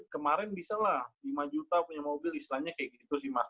kemarin bisa lah lima juta punya mobil istilahnya kayak gitu sih mas